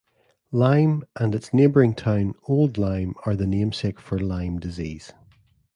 Lyme and its neighboring town Old Lyme are the namesake for Lyme disease.